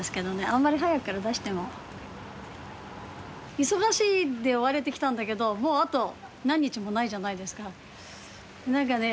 あんまり早くから出しても忙しいで追われてきたんだけどもうあと何日もないじゃないですか何かね